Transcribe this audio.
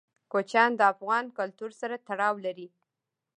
کوچیان د افغان کلتور سره تړاو لري.